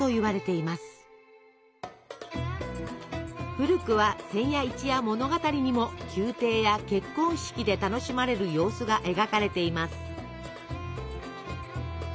古くは「千夜一夜物語」にも宮廷や結婚式で楽しまれる様子が描かれています。